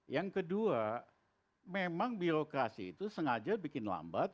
yang kedua memang birokrasi itu sengaja bikin lambat